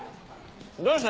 どうした？